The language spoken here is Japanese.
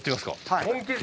はい。